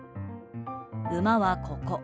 馬はここ。